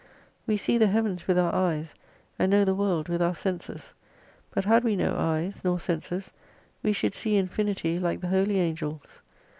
We see the heavens with our eyes, and know the world with our senses. But had we no eyes, nor senses, we should see Infinity like the Holy Angels.